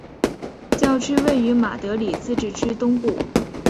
教区位于马德里自治区东部。